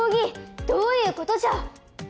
どういうことじゃ！？